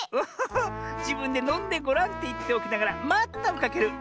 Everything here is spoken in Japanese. じぶんでのんでごらんっていっておきながらまったをかける。